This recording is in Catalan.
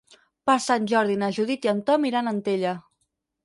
Per Sant Jordi na Judit i en Tom iran a Antella.